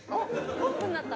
ポップになった。